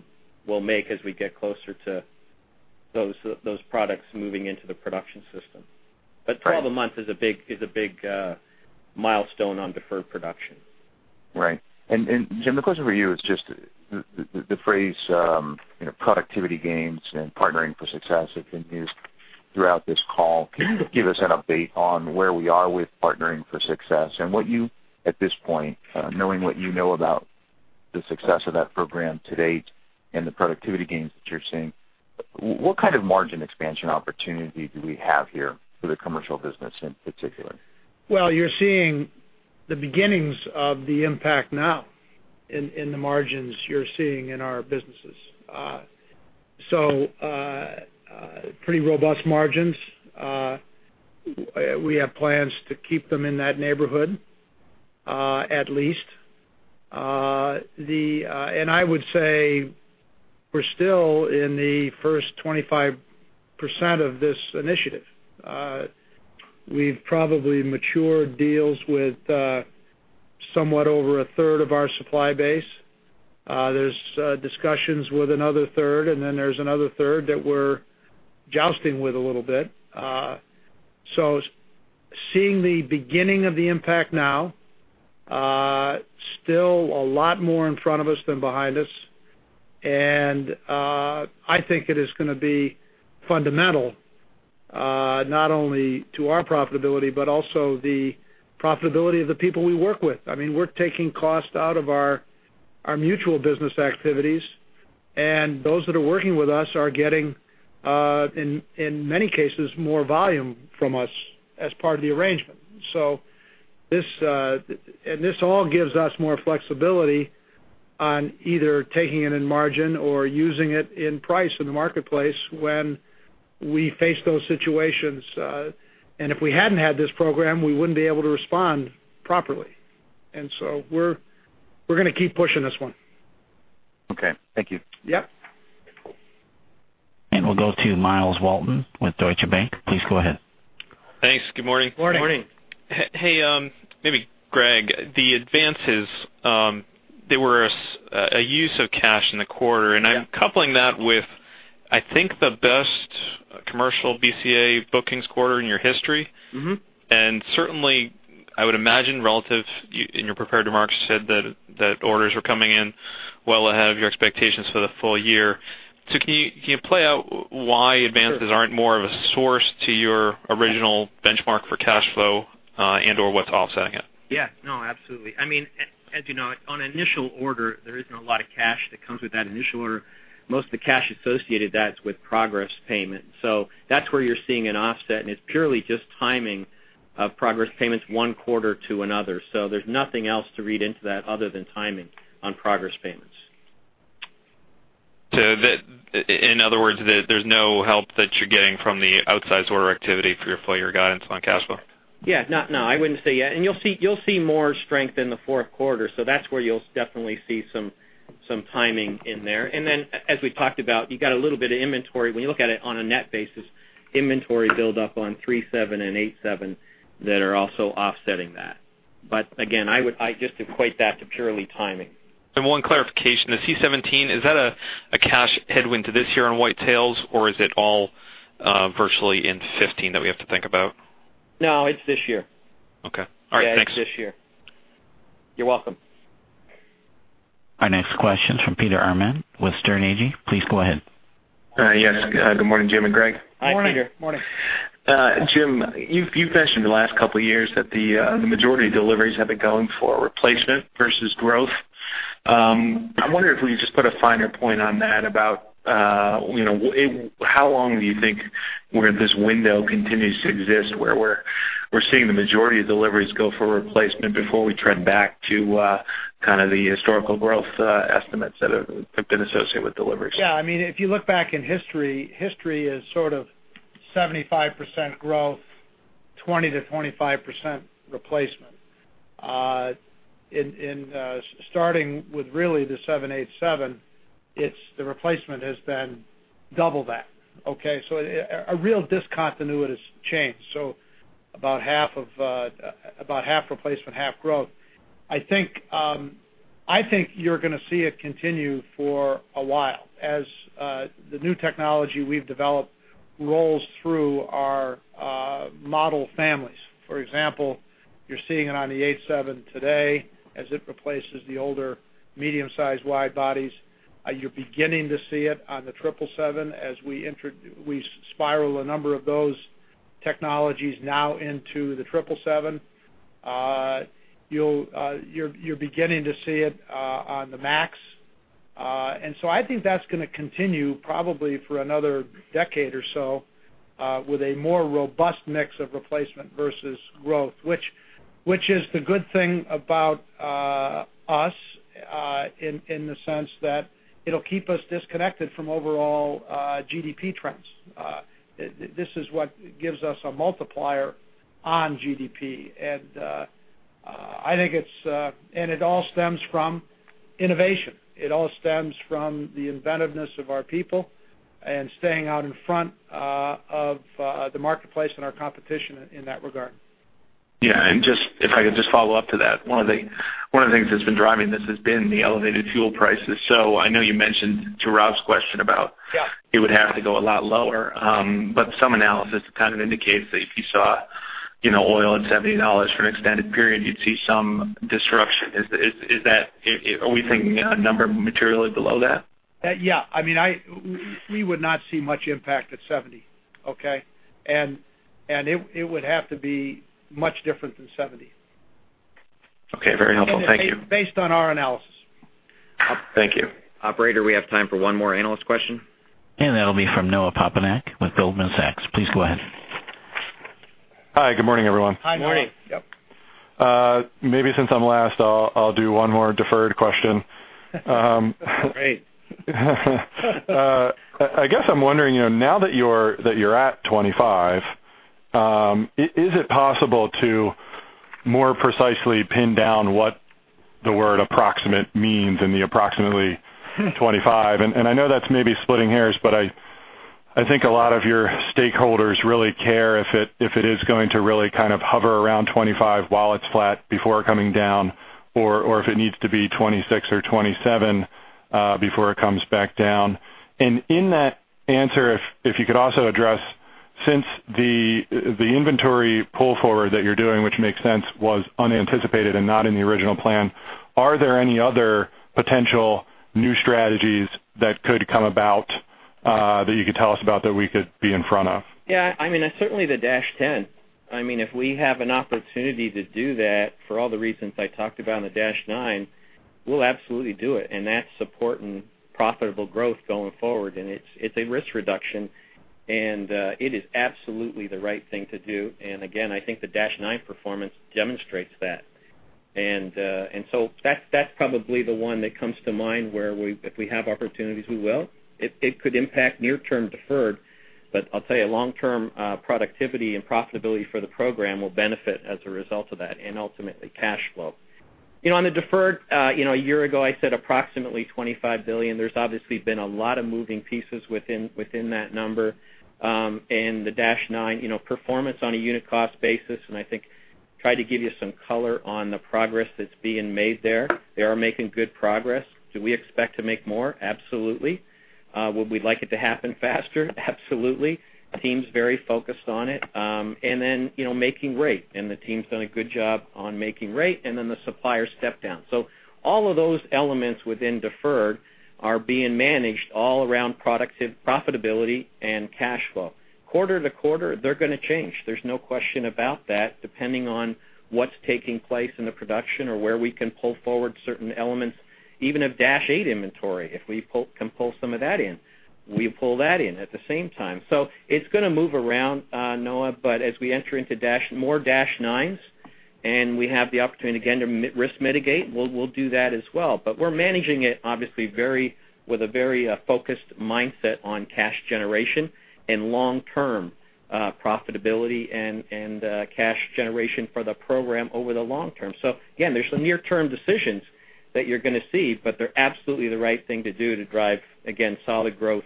we'll make as we get closer to those products moving into the production system. Twelve a month is a big milestone on deferred production. Right. Jim, the question for you is just the phrase, productivity gains and Partnering for Success has been used throughout this call. Can you give us an update on where we are with Partnering for Success and what you, at this point, knowing what you know about the success of that program to date and the productivity gains that you're seeing, what margin expansion opportunity do we have here for the commercial business in particular? You're seeing the beginnings of the impact now in the margins you're seeing in our businesses. Pretty robust margins. We have plans to keep them in that neighborhood at least. I would say we're still in the first 25% of this initiative. We've probably matured deals with somewhat over 1/3 of our supply base. There's discussions with another 1/3, and then there's another 1/3 that we're jousting with a little bit. Seeing the beginning of the impact now, still a lot more in front of us than behind us. I think it is going to be fundamental, not only to our profitability, but also the profitability of the people we work with. We're taking cost out of our mutual business activities, and those that are working with us are getting, in many cases, more volume from us as part of the arrangement. This all gives us more flexibility on either taking it in margin or using it in price in the marketplace when we face those situations. If we hadn't had this program, we wouldn't be able to respond properly. We're going to keep pushing this one. Okay. Thank you. Yeah. We'll go to Myles Walton with Deutsche Bank. Please go ahead. Thanks. Good morning. Morning. Morning. Hey, maybe Greg, the advances, they were a use of cash in the quarter. I'm coupling that with, I think the best commercial BCA bookings quarter in your history. Certainly, I would imagine relative, in your prepared remarks, you said that orders are coming in well ahead of your expectations for the full year. Can you play out why advances aren't more of a source to your original benchmark for cash flow, and/or what's offsetting it? Absolutely. As you know, on an initial order, there isn't a lot of cash that comes with that initial order. Most of the cash associated, that's with progress payment. That's where you're seeing an offset, and it's purely just timing of progress payments one quarter to another. There's nothing else to read into that other than timing on progress payments. In other words, there's no help that you're getting from the outsize order activity for your full year guidance on cash flow? No, I wouldn't say yet. You'll see more strength in the fourth quarter. That's where you'll definitely see some timing in there. As we talked about, you got a little bit of inventory. When you look at it on a net basis, inventory buildup on 737 and 87 that are also offsetting that. Again, I just equate that to purely timing. One clarification. The C-17, is that a cash headwind to this year on white tails, or is it all virtually in 2015 that we have to think about? No, it's this year. Thanks. Yeah, it's this year. You're welcome. Our next question's from Peter Arment with Sterne Agee. Please go ahead. Yes. Good morning, Jim and Greg. Morning. Hi, Peter. Morning. Jim, you've mentioned the last couple of years that the majority of deliveries have been going for replacement versus growth. I wonder if we could just put a finer point on that about, how long do you think where this window continues to exist, where we're seeing the majority of deliveries go for replacement before we trend back to the historical growth estimates that have been associated with deliveries? Yeah. If you look back in history is 75% growth, 20%-25% replacement. Starting with really the 787, the replacement has been double that. A real discontinuous change, so about half replacement, half growth. I think you're going to see it continue for a while as the new technology we've developed rolls through our model families. For example, you're seeing it on the 87 today as it replaces the older medium-sized wide bodies. You're beginning to see it on the 777 as we spiral a number of those technologies now into the 777. You're beginning to see it on the max. I think that's going to continue probably for another decade or so, with a more robust mix of replacement versus growth, which is the good thing about us, in the sense that it'll keep us disconnected from overall GDP trends. This is what gives us a multiplier on GDP. It all stems from innovation. It all stems from the inventiveness of our people and staying out in front of the marketplace and our competition in that regard. Yeah. If I could just follow up to that, one of the things that's been driving this has been the elevated fuel prices. I know you mentioned to Rob's question about, it would have to go a lot lower. Some analysis indicates that if you saw oil at $70 for an extended period, you'd see some disruption. Are we thinking a number materially below that? Yeah. We would not see much impact at $70. Okay? It would have to be much different than $70 based on our analysis. Thank you. Operator, we have time for one more analyst question. That'll be from Noah Poponak with Goldman Sachs. Please go ahead. Hi, good morning, everyone. Hi, Noah. Morning. Yep. Maybe since I'm last, I'll do one more deferred question. Great. I'm wondering, now that you're at 25, is it possible to more precisely pin down what The word approximate means in the approximately 25. I know that's maybe splitting hairs, but I think a lot of your stakeholders really care if it is going to really kind of hover around 25 while it's flat before coming down, or if it needs to be 26 or 27, before it comes back down. In that answer, if you could also address, since the inventory pull forward that you're doing, which makes sense, was unanticipated and not in the original plan, are there any other potential new strategies that could come about, that you could tell us about that we could be in front of? Certainly, the Dash 10. If we have an opportunity to do that, for all the reasons I talked about on the Dash 9, we'll absolutely do it, and that's supporting profitable growth going forward. It's a risk reduction, it is absolutely the right thing to do. Again, I think the Dash 9 performance demonstrates that. That's probably the one that comes to mind where if we have opportunities, we will. It could impact near-term deferred, but I'll tell you, long-term productivity and profitability for the program will benefit as a result of that, and ultimately cash flow. On the deferred, one year ago, I said approximately $25 billion. There's obviously been a lot of moving pieces within that number, and the Dash 9 performance on a unit cost basis, and I think try to give you some color on the progress that's being made there. They are making good progress. Do we expect to make more? Absolutely. Would we like it to happen faster? Absolutely. Team's very focused on it. Making rate, and the team's done a good job on making rate, and then the supplier step down. All of those elements within deferred are being managed all around productivity, profitability, and cash flow. Quarter-to-quarter, they're going to change. There's no question about that, depending on what's taking place in the production or where we can pull forward certain elements, even of Dash 8 inventory. If we can pull some of that in, we pull that in at the same time. It's going to move around, Noah, but as we enter into more Dash 9s, and we have the opportunity again to risk mitigate, we'll do that as well. We're managing it, obviously, with a very focused mindset on cash generation and long-term profitability and cash generation for the program over the long term. Again, there's some near-term decisions that you're going to see, but they're absolutely the right thing to do to drive, again, solid growth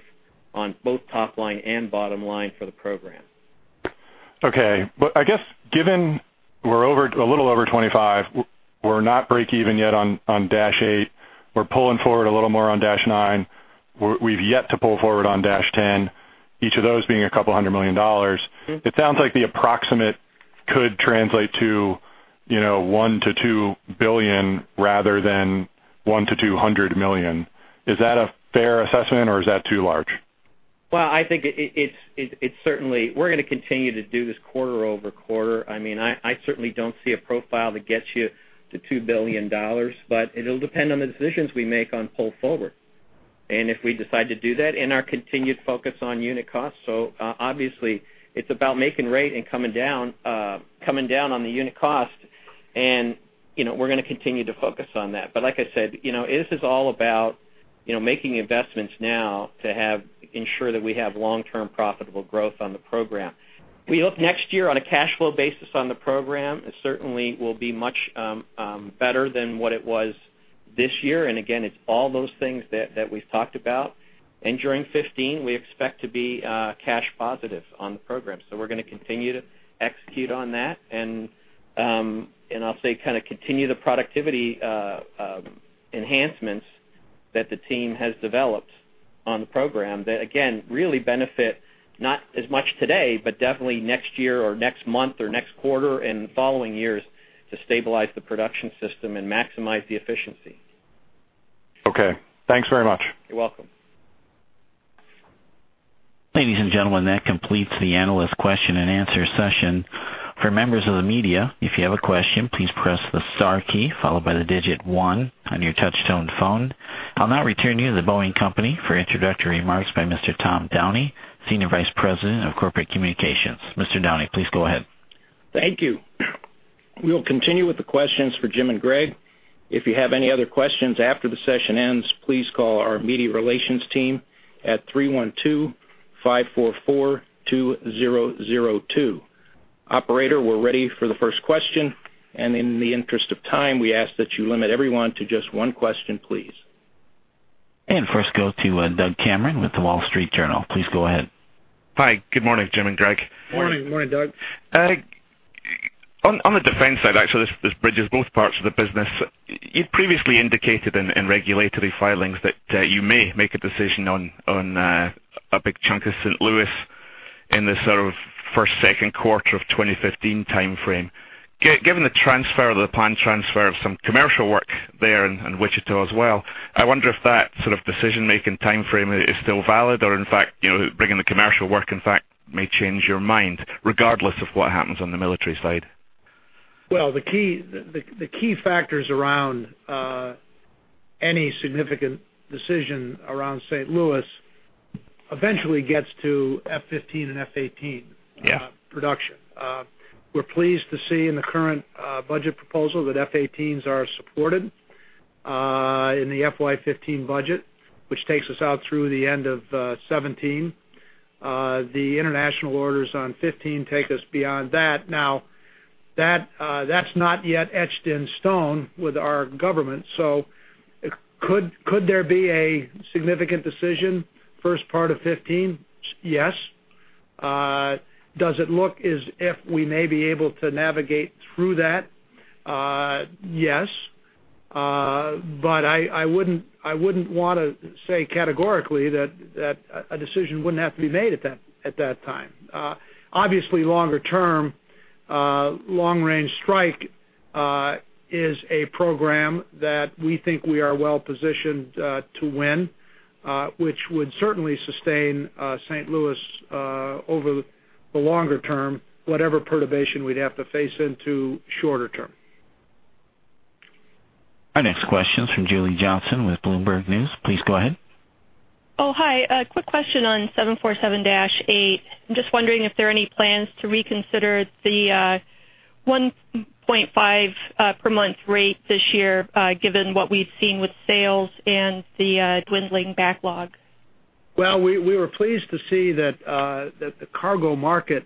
on both top line and bottom line for the program. Okay. I guess given we're a little over 25, we're not breakeven yet on Dash 8, we're pulling forward a little more on Dash 9. We've yet to pull forward on Dash 10, each of those being $200 million. It sounds like the approximate could translate to $1 billion-$2 billion rather than $1 million-$200 million. Is that a fair assessment or is that too large? Well, I think we're going to continue to do this quarter-over-quarter. I certainly don't see a profile that gets you to $2 billion, but it'll depend on the decisions we make on pull forward, and if we decide to do that, and our continued focus on unit cost. Obviously, it's about making rate and coming down on the unit cost, and we're going to continue to focus on that. Like I said, this is all about making investments now to ensure that we have long-term profitable growth on the program. We look next year on a cash flow basis on the program. It certainly will be much better than what it was this year. Again, it's all those things that we've talked about. During 2015, we expect to be cash positive on the program. We're going to continue to execute on that, and I'll say kind of continue the productivity enhancements that the team has developed on the program that, again, really benefit, not as much today, but definitely next year or next month or next quarter and following years to stabilize the production system and maximize the efficiency. Okay. Thanks very much. You are welcome. Ladies and gentlemen, that completes the analyst question and answer session. For members of the media, if you have a question, please press the star key followed by the digit one on your touch tone phone. I will now return you to The Boeing Company for introductory remarks by Mr. Tom Downey, Senior Vice President of Corporate Communications. Mr. Downey, please go ahead. Thank you. We will continue with the questions for Jim and Greg. If you have any other questions after the session ends, please call our media relations team at 312-544-2002. Operator, we are ready for the first question. In the interest of time, we ask that you limit everyone to just one question, please. First go to Doug Cameron with The Wall Street Journal. Please go ahead. Hi. Good morning, Jim and Greg. Morning. Morning, Doug. On the defense side, actually, this bridges both parts of the business. You previously indicated in regulatory filings that you may make a decision on a big chunk of St. Louis in the first, second quarter of 2015 timeframe. Given the transfer, the planned transfer of some commercial work there in Wichita as well, I wonder if that decision making timeframe is still valid or in fact, bringing the commercial work, in fact, may change your mind regardless of what happens on the military side. Well, the key factors around any significant decision around St. Louis eventually gets to F-15 and F-18 production. We're pleased to see in the current budget proposal that F-18s are supported, in the FY 2015 budget, which takes us out through the end of 2017. The international orders on 2015 take us beyond that. That's not yet etched in stone with our government. Could there be a significant decision first part of 2015? Yes. Does it look as if we may be able to navigate through that? Yes. I wouldn't want to say categorically that a decision wouldn't have to be made at that time. Obviously, longer term, Long-Range Strike is a program that we think we are well-positioned to win, which would certainly sustain St. Louis over the longer term, whatever perturbation we'd have to face into shorter term. Our next question is from Julie Johnson with Bloomberg News. Please go ahead. Oh, hi. A quick question on 747-8. I'm just wondering if there are any plans to reconsider the 1.5 per month rate this year, given what we've seen with sales and the dwindling backlog. Well, we were pleased to see that the cargo market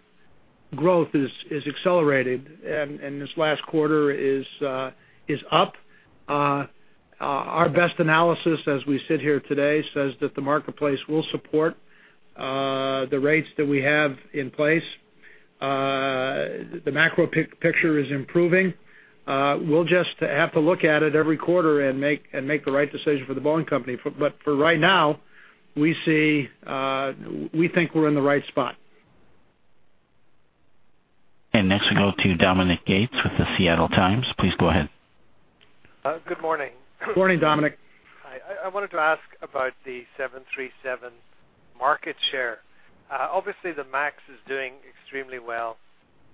growth is accelerating. This last quarter is up. Our best analysis as we sit here today says that the marketplace will support the rates that we have in place. The macro picture is improving. We'll just have to look at it every quarter and make the right decision for The Boeing Company. For right now, we think we're in the right spot. Next, we go to Dominic Gates with The Seattle Times. Please go ahead. Good morning. Morning, Dominic. Hi. I wanted to ask about the 737 market share. Obviously, the MAX is doing extremely well,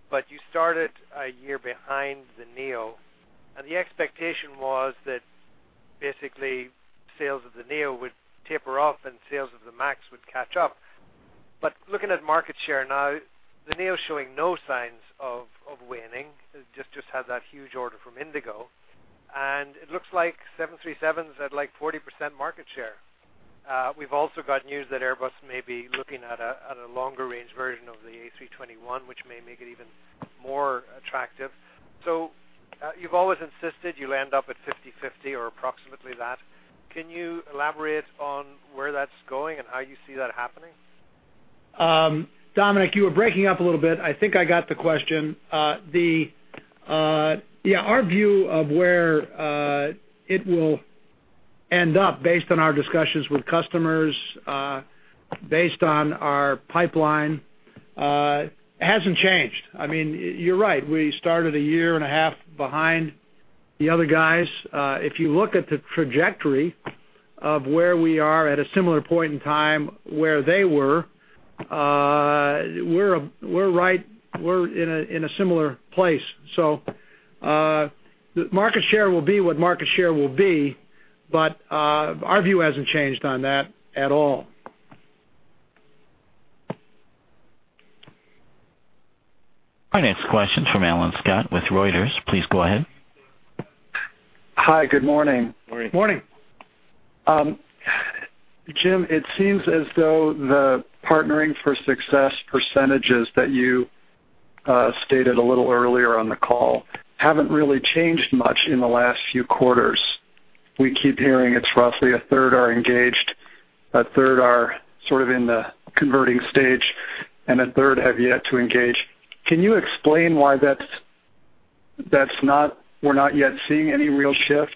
but you started a year behind the Neo, and the expectation was that basically sales of the Neo would taper off, and sales of the MAX would catch up. Looking at market share now, the Neo's showing no signs of waning, just had that huge order from IndiGo, and it looks like 737's at 40% market share. We've also got news that Airbus may be looking at a longer range version of the A321, which may make it even more attractive. You've always insisted you'll end up at 50/50 or approximately that. Can you elaborate on where that's going and how you see that happening? Dominic, you were breaking up a little bit. I think I got the question. Yeah, our view of where it will end up based on our discussions with customers, based on our pipeline, hasn't changed. You're right. We started a year and a half behind the other guys. If you look at the trajectory of where we are at a similar point in time where they were, we're in a similar place. Market share will be what market share will be, but our view hasn't changed on that at all. Our next question's from Alwyn Scott with Reuters. Please go ahead. Hi. Good morning. Morning. Morning. Jim, it seems as though the Partnering for Success percentages that you stated a little earlier on the call haven't really changed much in the last few quarters. We keep hearing it's roughly 1/3 are engaged, 1/3 are in the converting stage, and 1/3 have yet to engage. Can you explain why we're not yet seeing any real shift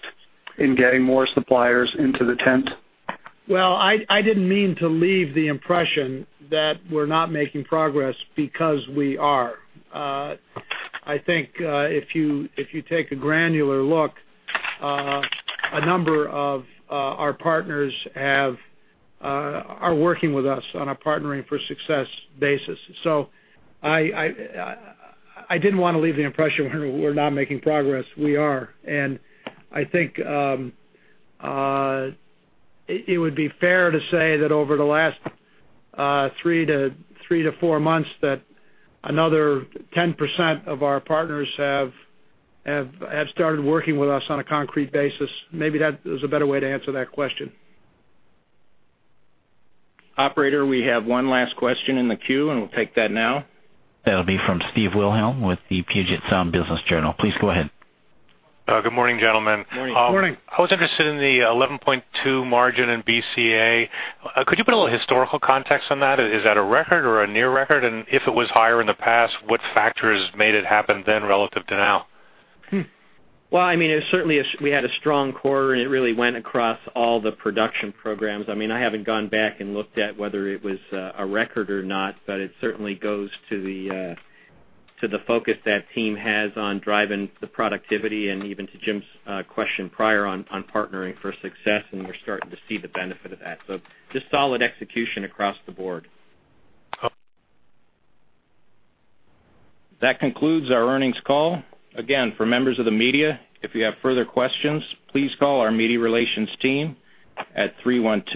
in getting more suppliers into the tent? Well, I didn't mean to leave the impression that we're not making progress because we are. I think, if you take a granular look, a number of our partners are working with us on a Partnering for Success basis. I didn't want to leave the impression we're not making progress. We are. It would be fair to say that over the last three to four months, that another 10% of our partners have started working with us on a concrete basis. Maybe that is a better way to answer that question. Operator, we have one last question in the queue, and we'll take that now. That'll be from Steve Wilhelm with the Puget Sound Business Journal. Please go ahead. Good morning, gentlemen. Morning. Morning. I was interested in the 11.2% margin in BCA. Could you put a little historical context on that? Is that a record or a near record? If it was higher in the past, what factors made it happen then relative to now? Certainly, we had a strong quarter, and it really went across all the production programs. I haven't gone back and looked at whether it was a record or not, but it certainly goes to the focus that team has on driving the productivity and even to Jim's question prior on Partnering for Success, and we're starting to see the benefit of that. Just solid execution across the board. That concludes our earnings call. Again, for members of the media, if you have further questions, please call our media relations team at 310-